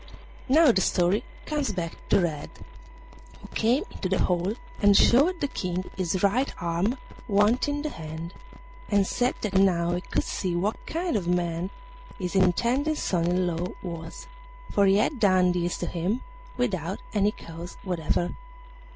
Now the story comes back to Red, who came into the hall and showed the King his right arm wanting the hand, and said that now he could see what kind of a man his intended son in law was, for he had done this to him without any cause whatever.